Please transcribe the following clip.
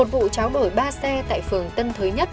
một vụ tráo đổi ba xe tại phường tân thới nhất